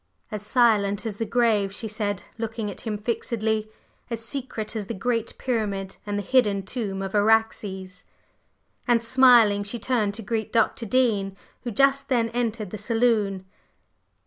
"As silent as the grave!" she said, looking at him fixedly. "As secret as the Great Pyramid and the hidden tomb of Araxes!" And smiling, she turned to greet Dr. Dean, who just then entered the saloon.